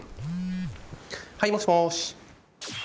はいもしもし。